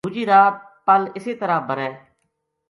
دُوجی رات پل اسے طرح بَر